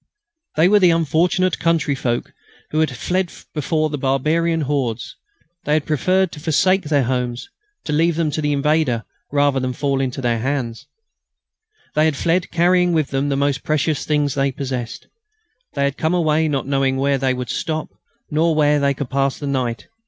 They were the unfortunate country folk who had fled before the barbarian hordes. They had preferred to forsake their homes, to leave them to the invader, rather than fall into his hands. They had fled, carrying with them the most precious things they possessed. They had come away not knowing where they would stop, nor where they could pass the night.